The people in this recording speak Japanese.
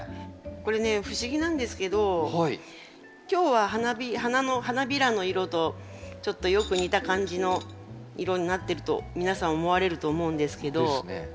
これね不思議なんですけど今日は花びらの色とちょっとよく似た感じの色になってると皆さん思われると思うんですけど。ですね。